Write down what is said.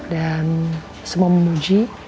dan semua memuji